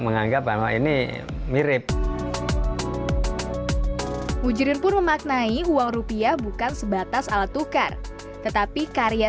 menganggap bahwa ini mirip mujirin pun memaknai uang rupiah bukan sebatas alat tukar tetapi karya